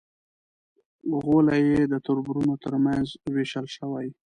غولی یې د تربرونو تر منځ وېشل شوی.